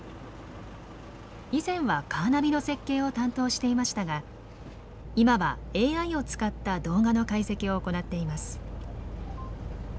以前はカーナビの設計を担当していましたが今はＡＩを使った動画の解析を行っています。